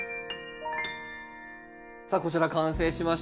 さあこちら完成しました。